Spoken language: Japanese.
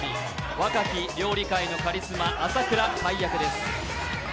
若き料理界のカリスマ朝倉海役です。